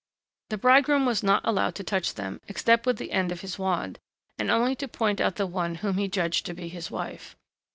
The bridegroom was not allowed to touch them, except with the end of his wand, and only to point out the one whom he judged to be his wife.